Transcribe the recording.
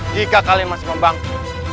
jika kalian masih membangun